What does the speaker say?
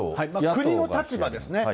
国の立場ですね。